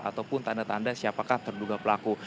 ataupun tanda tanda siapakah terduga pelaku